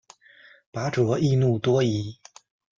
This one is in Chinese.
拔灼易怒多疑。